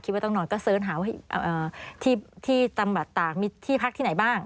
ว่าต้องนอนก็เสิร์ชหาว่าที่ตำบลตากมีที่พักที่ไหนบ้าง